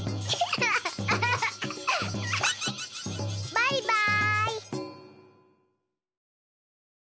バイバーイ！